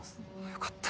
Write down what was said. よかった